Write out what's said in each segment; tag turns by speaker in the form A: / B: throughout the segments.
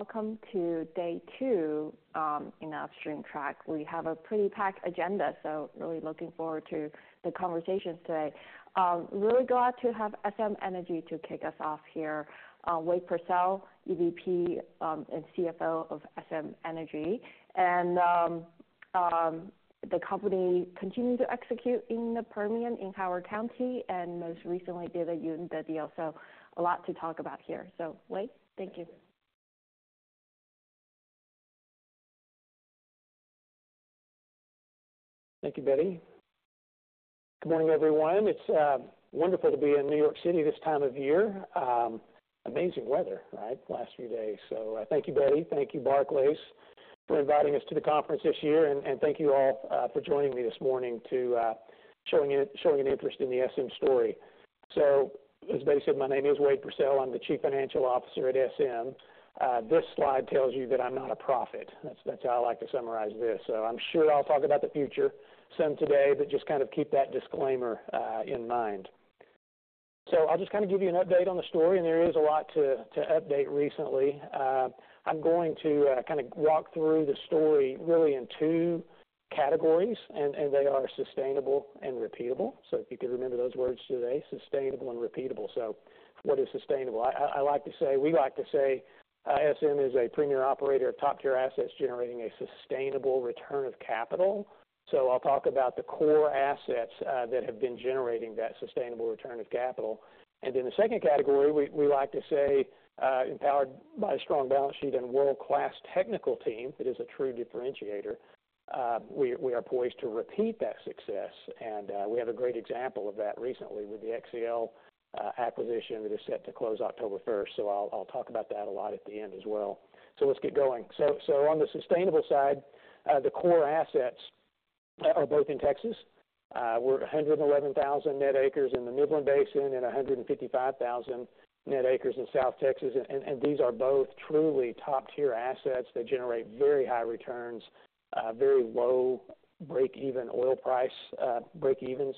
A: Welcome to day two in our Upstream track. We have a pretty packed agenda, so really looking forward to the conversations today. Really glad to have SM Energy to kick us off here. Wade Pursell, EVP and CFO of SM Energy. And the company continued to execute in the Permian in Howard County, and most recently did a Uinta deal. So a lot to talk about here. So Wade, thank you.
B: Thank you, Betty. Good morning, everyone. It's wonderful to be in New York City this time of year. Amazing weather, right, the last few days. So thank you, Betty. Thank you, Barclays, for inviting us to the conference this year, and thank you all for joining me this morning to showing an interest in the SM story. So as Betty said, my name is Wade Pursell. I'm the Chief Financial Officer at SM. This slide tells you that I'm not a prophet. That's how I like to summarize this. So I'm sure I'll talk about the future some today, but just kind of keep that disclaimer in mind. So I'll just kind of give you an update on the story, and there is a lot to update recently. I'm going to kind of walk through the story really in two categories, and they are sustainable and repeatable. So if you can remember those words today, sustainable and repeatable. So what is sustainable? I like to say, we like to say, SM is a premier operator of top-tier assets generating a sustainable return of capital. So I'll talk about the core assets that have been generating that sustainable return of capital. And then the second category, we like to say, empowered by a strong balance sheet and world-class technical team, it is a true differentiator. We are poised to repeat that success, and we have a great example of that recently with the XCL acquisition that is set to close October first. So I'll talk about that a lot at the end as well. So let's get going. On the sustainable side, the core assets are both in Texas. We're 111,000 net acres in the Midland Basin and 155,000 net acres in South Texas. These are both truly top-tier assets that generate very high returns, very low break-even oil price, breakevens.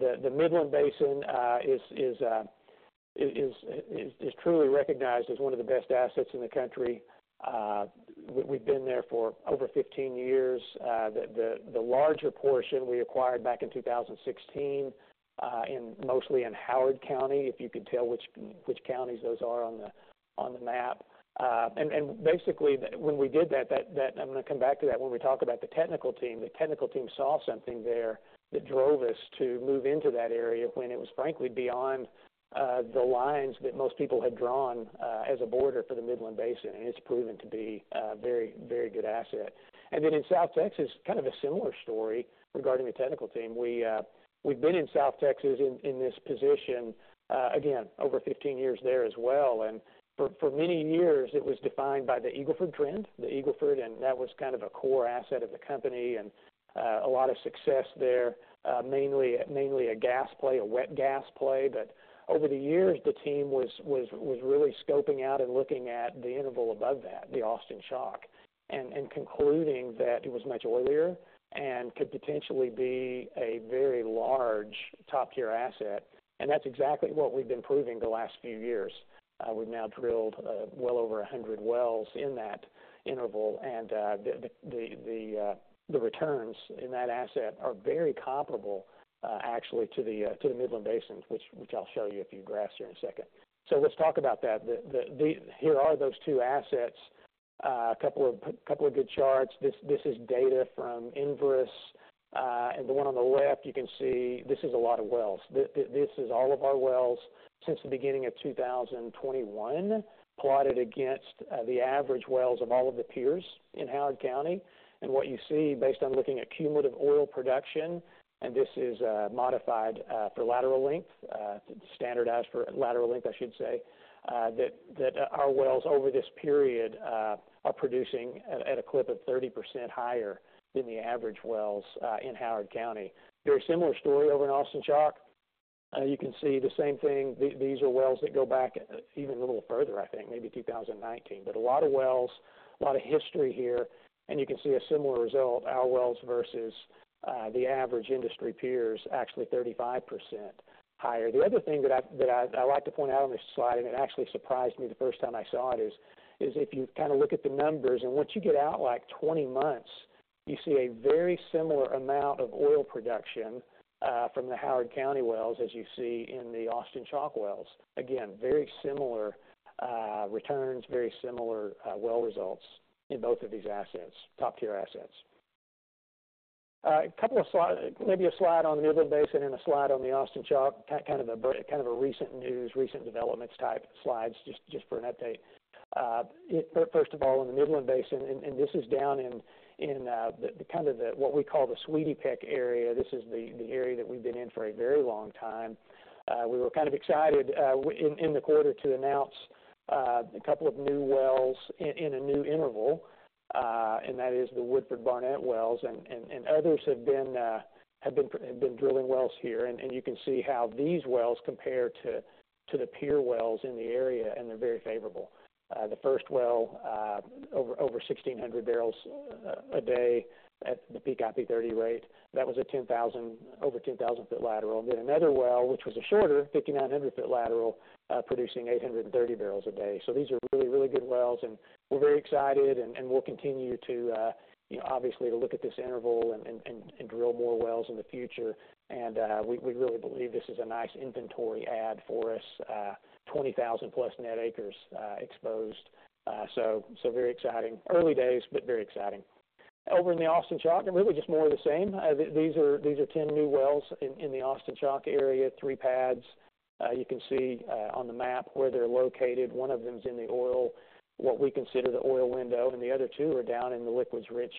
B: The Midland Basin is truly recognized as one of the best assets in the country. We've been there for over 15 years. The larger portion we acquired back in 2016, mostly in Howard County, if you could tell which counties those are on the map. Basically, when we did that, that... I'm going to come back to that when we talk about the technical team. The technical team saw something there that drove us to move into that area when it was frankly beyond the lines that most people had drawn as a border for the Midland Basin, and it's proven to be a very, very good asset, and then in South Texas, kind of a similar story regarding the technical team. We have been in South Texas in this position again, over 15 years there as well, and for many years, it was defined by the Eagle Ford Trend, the Eagle Ford, and that was kind of a core asset of the company, and a lot of success there, mainly, mainly a gas play, a wet gas play. Over the years, the team was really scoping out and looking at the interval above that, the Austin Chalk, and concluding that it was much oilier and could potentially be a very large top-tier asset. That's exactly what we've been proving the last few years. We've now drilled well over a hundred wells in that interval, and the returns in that asset are very comparable, actually to the Midland Basin, which I'll show you a few graphs here in a second. Let's talk about that. Here are those two assets. A couple of good charts. This is data from Enverus. And the one on the left, you can see this is a lot of wells. This is all of our wells since the beginning of 2021, plotted against the average wells of all of the peers in Howard County. And what you see, based on looking at cumulative oil production, and this is modified for lateral length, standardized for lateral length, I should say, that our wells over this period are producing at a clip of 30% higher than the average wells in Howard County. Very similar story over in Austin Chalk. You can see the same thing. These are wells that go back even a little further, I think, maybe 2019. But a lot of wells, a lot of history here, and you can see a similar result, our wells versus the average industry peers, actually 35% higher. The other thing that I like to point out on this slide, and it actually surprised me the first time I saw it, is if you kind of look at the numbers, and once you get out, like, 20 months, you see a very similar amount of oil production from the Howard County wells as you see in the Austin Chalk wells. Again, very similar returns, very similar well results in both of these assets, top-tier assets. A couple of slides, maybe a slide on the Midland Basin and a slide on the Austin Chalk, kind of a recent news, recent developments type slides, just for an update. First of all, in the Midland Basin, and this is down in the kind of what we call the Sweetie Peck area. This is the area that we've been in for a very long time. We were kind of excited in the quarter to announce a couple of new wells in a new interval, and that is the Woodford Barnett wells. And others have been drilling wells here. You can see how these wells compare to the peer wells in the area, and they're very favorable. The first well over 1,600 barrels a day at the peak IP30 rate. That was a 10,000-foot lateral. And then another well, which was a shorter 5,900-foot lateral, producing 830 barrels a day. These are really, really good wells, and we're very excited, and we'll continue to, you know, obviously, to look at this interval and drill more wells in the future. We really believe this is a nice inventory add for us, 20,000-plus net acres exposed. Very exciting. Early days, but very exciting. Over in the Austin Chalk, and really just more of the same. These are 10 new wells in the Austin Chalk area, 3 pads. You can see on the map where they're located. One of them is in the oil, what we consider the oil window, and the other two are down in the liquids-rich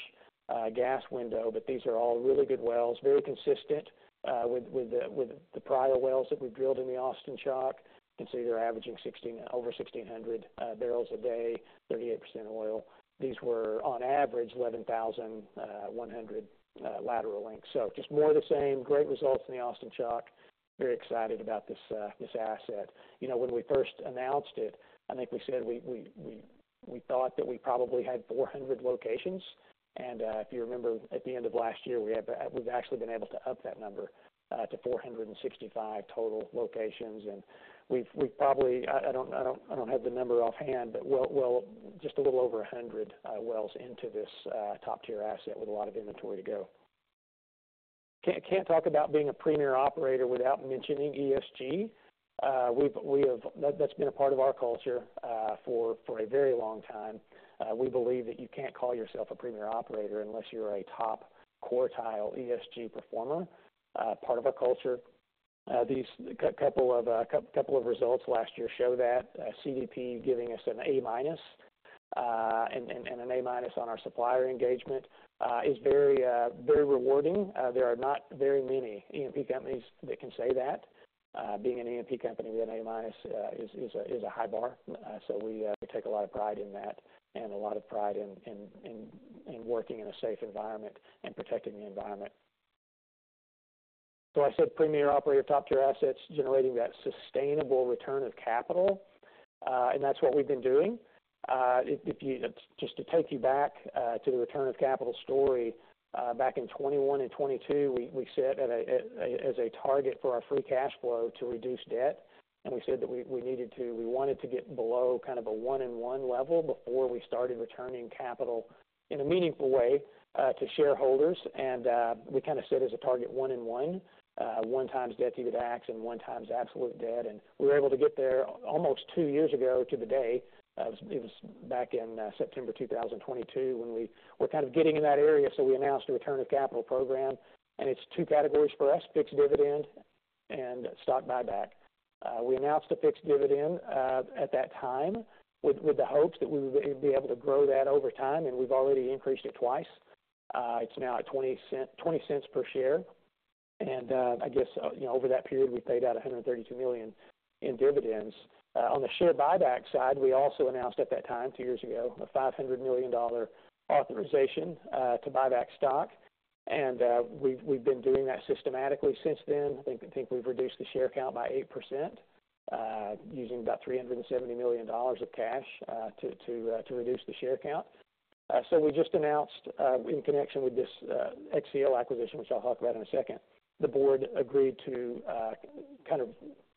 B: gas window. But these are all really good wells, very consistent with the prior wells that we've drilled in the Austin Chalk. You can see they're averaging over 1,600 barrels a day, 38% oil. These were on average 11,100 lateral length. So just more of the same, great results in the Austin Chalk. Very excited about this asset. You know, when we first announced it, I think we said we thought that we probably had 400 locations, and if you remember, at the end of last year, we had. We've actually been able to up that number to 465 total locations, and we've probably... I don't have the number offhand, but well, just a little over 100 wells into this top-tier asset with a lot of inventory to go. Can't talk about being a premier operator without mentioning ESG. We have that. That's been a part of our culture for a very long time. We believe that you can't call yourself a premier operator unless you're a top quartile ESG performer, part of our culture. These couple of results last year show that, CDP giving us an A minus and an A minus on our supplier engagement is very rewarding. There are not very many E&P companies that can say that. Being an E&P company with an A minus is a high bar, so we take a lot of pride in that and a lot of pride in working in a safe environment and protecting the environment, so I said premier operator, top-tier assets, generating that sustainable return of capital, and that's what we've been doing. If you just to take you back to the return of capital story, back in 2021 and 2022, we set as a target for our free cash flow to reduce debt, and we said that we needed to, we wanted to get below kind of a one-in-one level before we started returning capital in a meaningful way to shareholders. And, we kind of set as a target one in one, one times debt to DACF and one times absolute debt, and we were able to get there almost 2 years ago to the day. It was back in September 2022, when we were kind of getting in that area, so we announced a return of capital program, and it's two categories for us, fixed dividend and stock buyback. We announced a fixed dividend at that time with the hopes that we would be able to grow that over time, and we've already increased it twice. It's now at 20 cents per share. And, I guess, you know, over that period, we paid out $132 million in dividends. On the share buyback side, we also announced at that time, two years ago, a $500 million authorization to buy back stock. And we've been doing that systematically since then. I think we've reduced the share count by 8%, using about $370 million of cash to reduce the share count. So we just announced in connection with this XCL acquisition, which I'll talk about in a second, the board agreed to kind of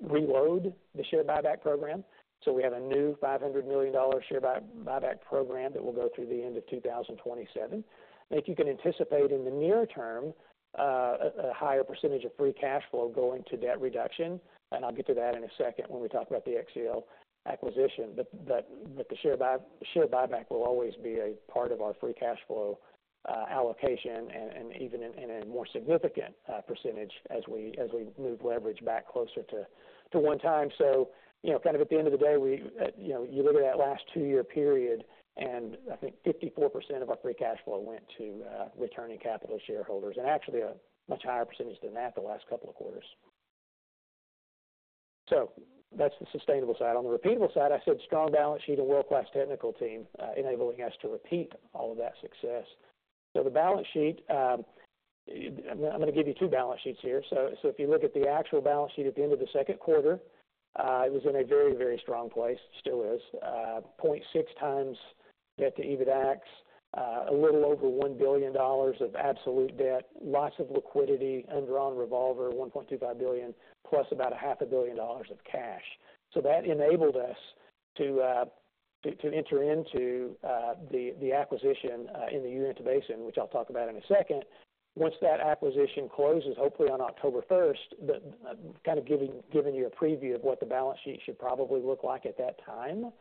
B: reload the share buyback program. So we have a new $500 million share buyback program that will go through the end of 2027. I think you can anticipate in the near term, a higher percentage of free cash flow going to debt reduction, and I'll get to that in a second when we talk about the XCL acquisition. But the share buyback will always be a part of our free cash flow allocation, and even in a more significant percentage as we move leverage back closer to one time. So, you know, kind of at the end of the day, we, you know, you look at that last two-year period, and I think 54% of our free cash flow went to returning capital to shareholders, and actually a much higher percentage than that the last couple of quarters. So that's the sustainable side. On the repeatable side, I said strong balance sheet and world-class technical team enabling us to repeat all of that success. So the balance sheet, I'm gonna give you two balance sheets here. So if you look at the actual balance sheet at the end of the second quarter, it was in a very, very strong place. It still is. 0.6 times debt to EBITDA, a little over $1 billion of absolute debt, lots of liquidity, undrawn revolver, $1.25 billion, plus about $500 million of cash. So that enabled us to enter into the acquisition in the Uinta Basin, which I'll talk about in a second. Once that acquisition closes, hopefully on October 1st, kind of giving you a preview of what the balance sheet should probably look like at that time,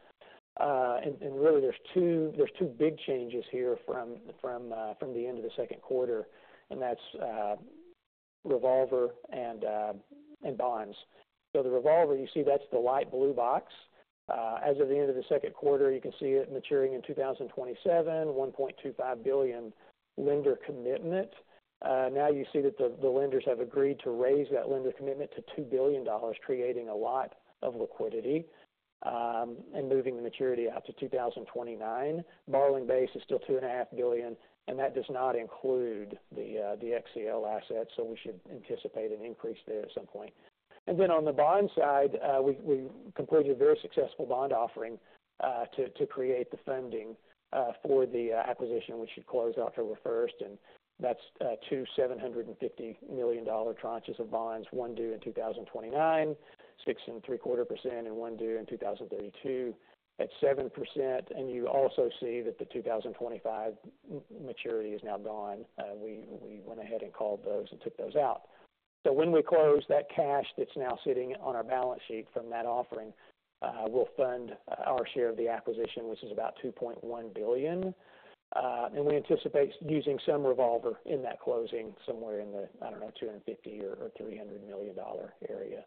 B: and really, there's two big changes here from the end of the second quarter, and that's revolver and bonds. So the revolver, you see that's the light blue box. As of the end of the second quarter, you can see it maturing in 2027, $1.25 billion lender commitment. Now you see that the lenders have agreed to raise that lender commitment to $2 billion, creating a lot of liquidity, and moving the maturity out to 2029. Borrowing base is still $2.5 billion, and that does not include the XCL assets, so we should anticipate an increase there at some point. And then on the bond side, we completed a very successful bond offering to create the funding for the acquisition, which should close October 1st, and that's two $750 million tranches of bonds, one due in 2029, 6.75%, and one due in 2032 at 7%. And you also see that the 2025 maturity is now gone. We went ahead and called those and took those out. So when we close, that cash that's now sitting on our balance sheet from that offering will fund our share of the acquisition, which is about $2.1 billion. And we anticipate using some revolver in that closing somewhere in the, I don't know, $250-$300 million area.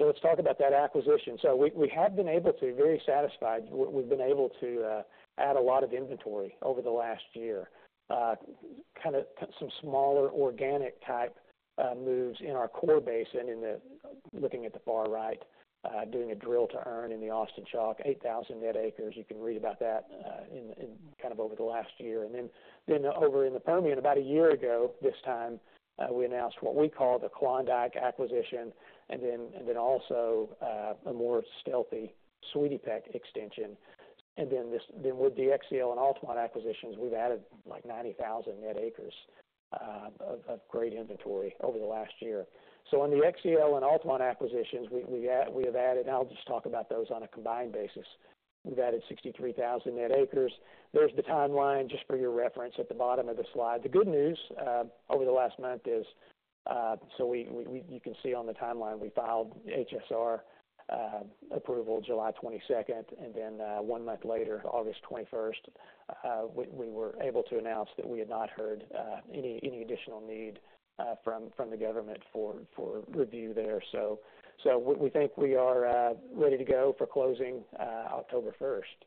B: So let's talk about that acquisition. So we have been able to be very satisfied. We've been able to add a lot of inventory over the last year. Kind of some smaller organic type moves in our core basin, in the looking at the far right, doing a drill to earn in the Austin Chalk, 8,000 net acres. You can read about that in kind of over the last year. And then over in the Permian, about a year ago this time, we announced what we call the Klondike acquisition, and then also a more stealthy Sweetie Peck extension. With the XCL and Altamont acquisitions, we've added like 90,000 net acres of great inventory over the last year. On the XCL and Altamont acquisitions, we have added. I'll just talk about those on a combined basis. We've added 63,000 net acres. There's the timeline just for your reference at the bottom of the slide. The good news over the last month is, you can see on the timeline, we filed HSR approval July 22nd, and then, one month later, August 21st, we were able to announce that we had not heard any additional need from the government for review there. We think we are ready to go for closing October 1st.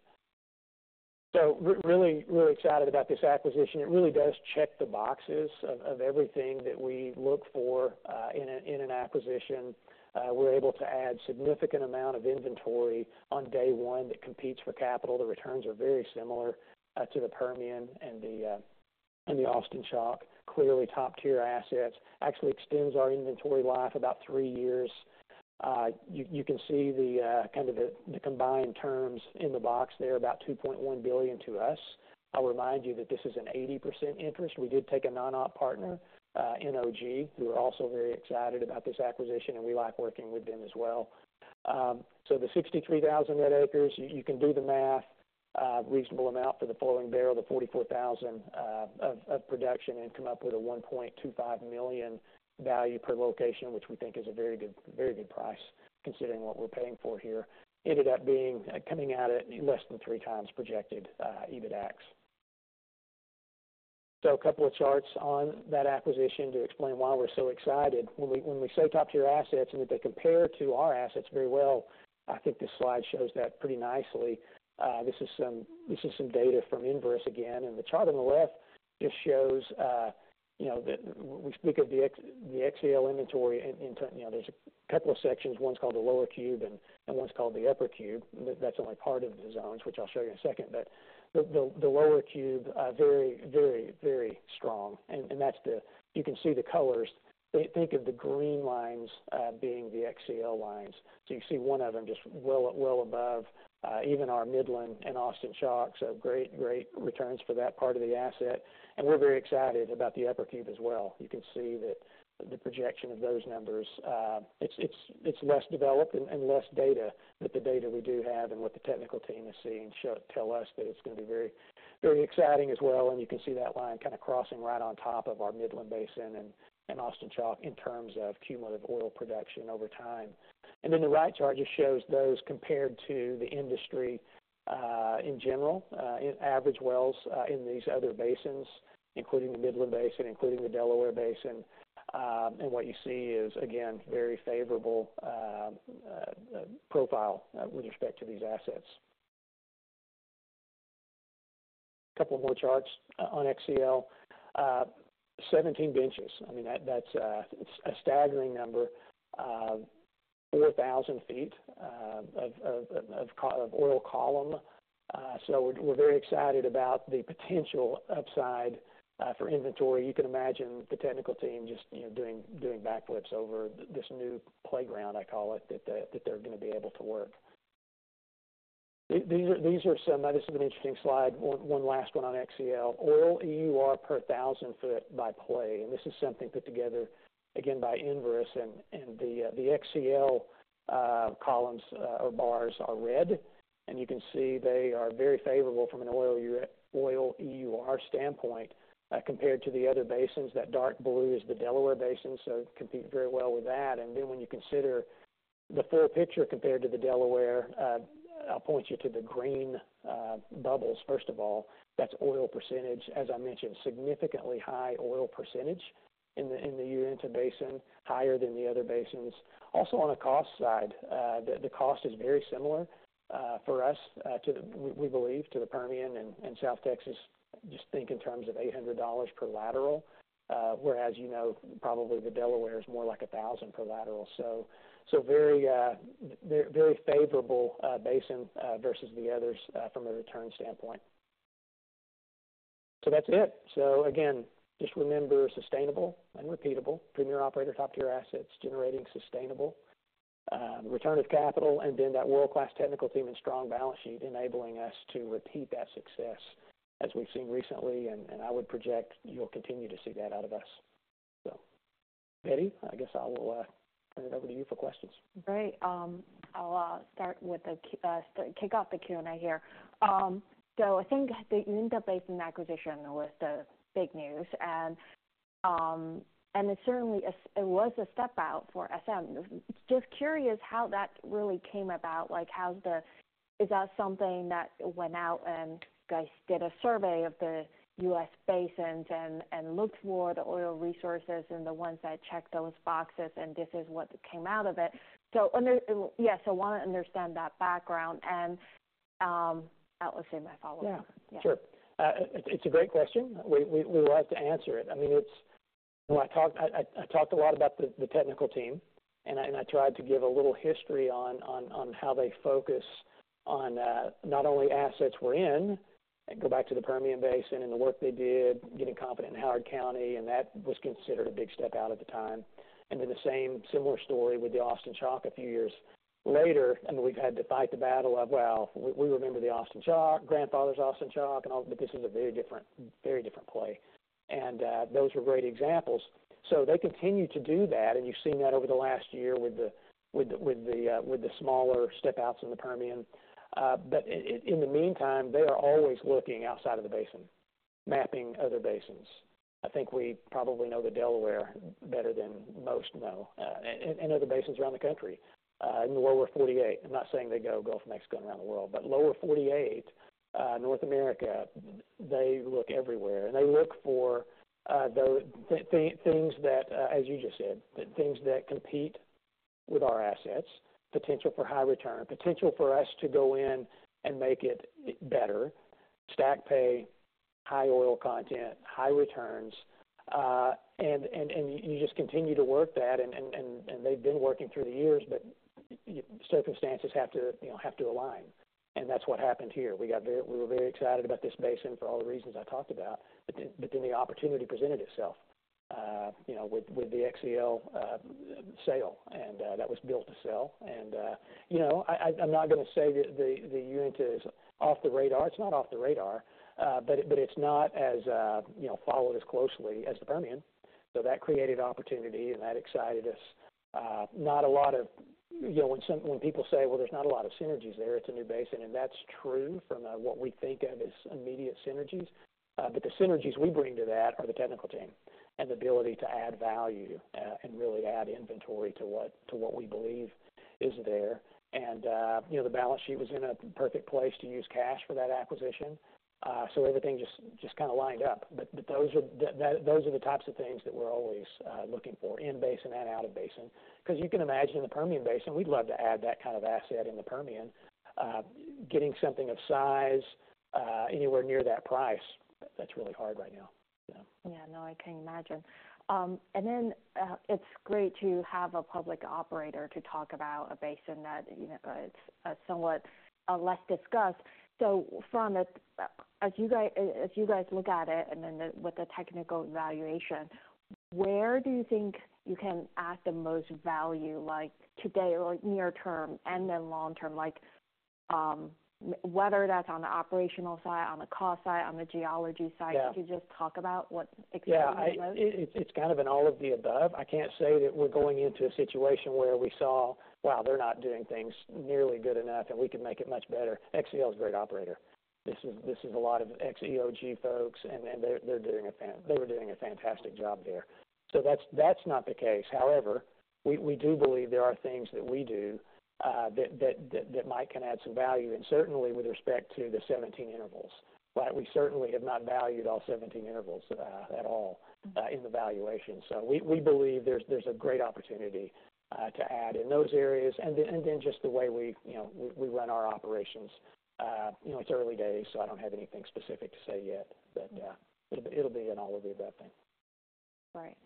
B: Really excited about this acquisition. It really does check the boxes of everything that we look for in an acquisition. We're able to add significant amount of inventory on day one that competes for capital. The returns are very similar to the Permian and the Austin Chalk. Clearly, top-tier assets. Actually extends our inventory life about three years. You can see the kind of the combined terms in the box there, about $2.1 billion to us. I'll remind you that this is an 80% interest. We did take a non-op partner, NOG, who are also very excited about this acquisition, and we like working with them as well. So the 63,000 net acres, you can do the math, reasonable amount for the flowing barrel, the 44,000 of production, and come up with a 1.25 million value per location, which we think is a very good, very good price, considering what we're paying for here. Ended up being, coming out at less than 3 times projected EBITDAX. So a couple of charts on that acquisition to explain why we're so excited. When we say top-tier assets and that they compare to our assets very well, I think this slide shows that pretty nicely. This is some data from Enverus again, and the chart on the left just shows, you know, that when we speak of the XTO inventory in, you know, there's a couple of sections. One's called the Lower Cube, and one's called the Upper Cube. That's only part of the zones, which I'll show you in a second. But the Lower Cube, very strong, and that's the... You can see the colors. Think of the green lines, being the XCL lines. So you can see one of them just well above, even our Midland and Austin Chalk, so great returns for that part of the asset, and we're very excited about the Upper Cube as well. You can see that the projection of those numbers, it's less developed and less data, but the data we do have and what the technical team is seeing tells us that it's gonna be very, very exciting as well, and you can see that line kind of crossing right on top of our Midland Basin and Austin Chalk in terms of cumulative oil production over time. Then the right chart just shows those compared to the industry in general average wells in these other basins, including the Midland Basin, including the Delaware Basin, and what you see is, again, very favorable profile with respect to these assets. A couple more charts on XCL. 17 benches, I mean, that's a staggering number, 4,000 feet of oil column, so we're very excited about the potential upside for inventory. You can imagine the technical team just, you know, doing backflips over this new playground, I call it, that they're gonna be able to work. These are some. Now, this is an interesting slide, one last one on XCL. Oil EUR per thousand foot by play, and this is something put together, again, by Enverus, and the XCL columns or bars are red, and you can see they are very favorable from an oil EUR standpoint, compared to the other basins. That dark blue is the Delaware Basin, so compete very well with that. And then when you consider the full picture compared to the Delaware, I'll point you to the green bubbles, first of all. That's oil percentage. As I mentioned, significantly high oil percentage in the Uinta Basin, higher than the other basins. Also, on the cost side, the cost is very similar for us to the we believe to the Permian and South Texas. Just think in terms of $800 per lateral, whereas, you know, probably the Delaware is more like a thousand per lateral. So very favorable basin versus the others from a return standpoint. So that's it. So again, just remember sustainable and repeatable. Premier operator, top-tier assets, generating sustainable return of capital, and then that world-class technical team and strong balance sheet enabling us to repeat that success as we've seen recently, and I would project you'll continue to see that out of us. So Betty, I guess I will turn it over to you for questions.
A: Great. I'll start with kick off the Q&A here. I think the Uinta Basin acquisition was the big news, and it certainly is. It was a step out for SM. Just curious how that really came about? Like, how is that something that you went out and you guys did a survey of the U.S. basins and looked for the oil resources, and the ones that checked those boxes, and this is what came out of it? Yeah, I wanna understand that background, and that was in my follow-up.
B: Yeah.
A: Yeah.
B: Sure. It's a great question. We would like to answer it. I mean, it's when I talked. I talked a lot about the technical team, and I tried to give a little history on how they focus on not only assets we're in, and go back to the Permian Basin and the work they did, getting competent in Howard County, and that was considered a big step out at the time. Then the same similar story with the Austin Chalk a few years later, and we've had to fight the battle of, well, we remember the Austin Chalk, grandfather's Austin Chalk, and all, but this is a very different, very different play. Those were great examples. So they continue to do that, and you've seen that over the last year with the smaller step outs in the Permian. But in the meantime, they are always looking outside of the basin, mapping other basins. I think we probably know the Delaware better than most know, and other basins around the country. In the Lower 48. I'm not saying they go Gulf of Mexico and around the world, but Lower 48, North America, they look everywhere, and they look for the things that, as you just said, the things that compete with our assets, potential for high return, potential for us to go in and make it better, stack pay, high oil content, high returns. You just continue to work that, and they've been working through the years, but circumstances have to, you know, have to align, and that's what happened here. We were very excited about this basin for all the reasons I talked about, but then the opportunity presented itself, you know, with the XTO sale, and that was built to sell. You know, I'm not gonna say the Uinta is off the radar. It's not off the radar, but it's not as, you know, followed as closely as the Permian. So that created opportunity, and that excited us. Not a lot of... You know, when people say, "Well, there's not a lot of synergies there, it's a new basin," and that's true from what we think of as immediate synergies. But the synergies we bring to that are the technical team and the ability to add value, and really add inventory to what we believe is there. You know, the balance sheet was in a perfect place to use cash for that acquisition. Everything just kinda lined up. Those are the types of things that we're always looking for, in basin and out of basin, 'cause you can imagine the Permian Basin. We'd love to add that kind of asset in the Permian. Getting something of size anywhere near that price, that's really hard right now, so.
A: Yeah, no, I can imagine. And then, it's great to have a public operator to talk about a basin that, you know, it's somewhat less discussed. So from a, as you guys look at it, and then with the technical evaluation, where do you think you can add the most value, like today or near term, and then long term? Like, whether that's on the operational side, on the cost side, on the geology side-
B: Yeah
A: Could you just talk about what exactly it is?
B: Yeah, it's kind of an all of the above. I can't say that we're going into a situation where we saw, "Wow, they're not doing things nearly good enough, and we can make it much better." XCL is a great operator. This is a lot of ex-EOG folks, and they're doing a fantastic job there. They were doing a fantastic job there. So that's not the case. However, we do believe there are things that we do that might can add some value, and certainly with respect to the 17 intervals, right? We certainly have not valued all 17 intervals at all in the valuation. So we believe there's a great opportunity to add in those areas, and then just the way we, you know, we run our operations. You know, it's early days, so I don't have anything specific to say yet, but it'll be an all of the above thing.
A: Right.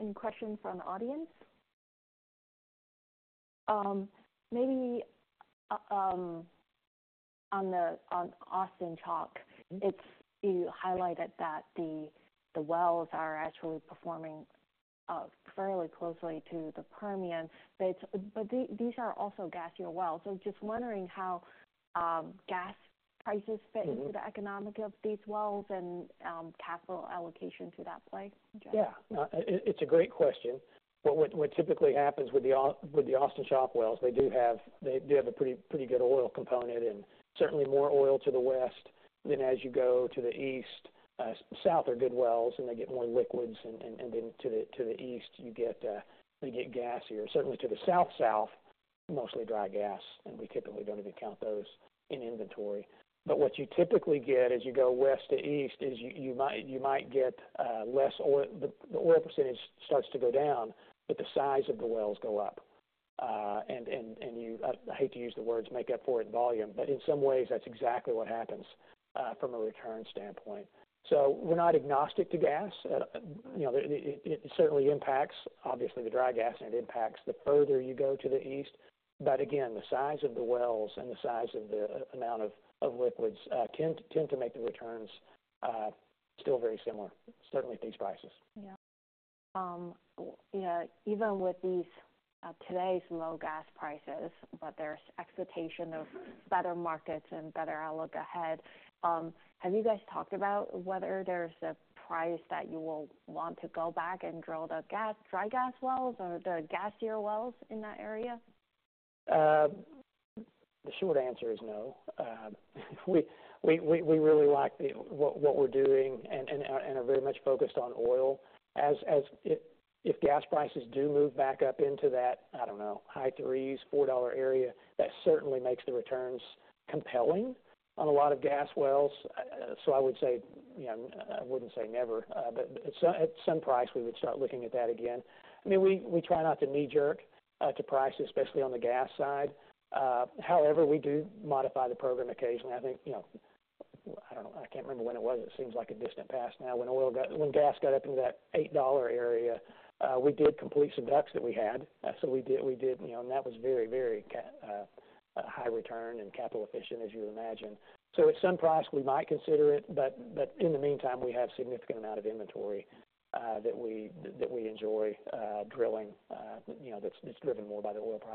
A: Any questions from the audience? Maybe on the Austin Chalk, it's, you highlighted that the wells are actually performing fairly closely to the Permian, but these are also gassier wells. So just wondering how gas prices fit-
B: Mm-hmm
A: - into the economics of these wells and, capital allocation to that play?
B: Yeah. It's a great question. What typically happens with the Austin Chalk wells, they do have a pretty good oil component, and certainly more oil to the west, than as you go to the east, south are good wells, and they get more liquids, and then to the east, you get gassier. Certainly to the south-south, mostly dry gas, and we typically don't even count those in inventory. But what you typically get as you go west to east is you might get less oil. The oil percentage starts to go down, but the size of the wells go up. And you... I hate to use the words, make up for it in volume, but in some ways, that's exactly what happens from a return standpoint, so we're not agnostic to gas. You know, it certainly impacts, obviously, the dry gas, and it impacts the further you go to the east, but again, the size of the wells and the size of the amount of liquids tend to make the returns still very similar, certainly at these prices.
A: Yeah. Yeah, even with these, today's low gas prices, but there's expectation of better markets and better outlook ahead, have you guys talked about whether there's a price that you will want to go back and drill the gas, dry gas wells or the gassier wells in that area?
B: The short answer is no. We really like what we're doing and are very much focused on oil. If gas prices do move back up into that, I don't know, high threes, $4 area, that certainly makes the returns compelling on a lot of gas wells. So I would say, you know, I wouldn't say never, but at some price, we would start looking at that again. I mean, we try not to knee-jerk to prices, especially on the gas side. However, we do modify the program occasionally. I think, you know, I can't remember when it was, it seems like a distant past now, when gas got up into that $8 area, we did complete some DUCs that we had. So we did, you know, and that was very high return and capital efficient, as you would imagine. So at some price, we might consider it, but in the meantime, we have significant amount of inventory that we enjoy drilling, you know, that's driven more by the oil price.